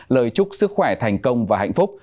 lời chúc sức khỏe thành công và hạnh phúc